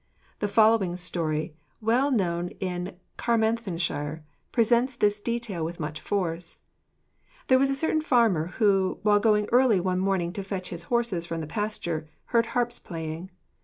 The following story, well known in Carmarthenshire, presents this detail with much force: There was a certain farmer who, while going early one morning to fetch his horses from the pasture, heard harps playing.